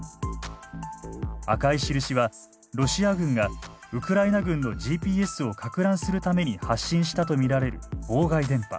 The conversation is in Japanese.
赤い印はロシア軍がウクライナ軍のＧＰＳをかく乱するために発信したと見られる妨害電波。